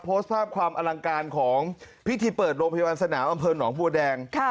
โพสต์ภาพความอลังการของพิธีเปิดโรงพยาบาลสนามอำเภอหนองบัวแดง